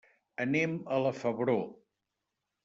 Anem a la Febró.